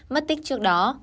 mất tích trước đó